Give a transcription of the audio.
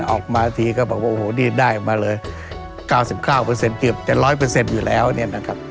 ออกมาทีก็บอกว่าโอ้โหนี่ได้ออกมาเลย๙๙เกือบจะ๑๐๐อยู่แล้วเนี่ยนะครับ